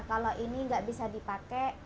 kalau ini nggak bisa dipakai